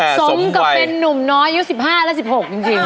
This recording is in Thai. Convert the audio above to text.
สมก็เป็นนุ่มน้อยยกสิบห้าและสิบหกจริง